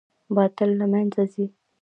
باطل له منځه ځي